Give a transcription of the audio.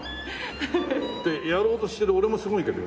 ってやろうとしてる俺もすごいけど。